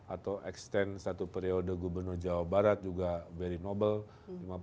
atau extend satu periode gubernur jawa barat juga very nobel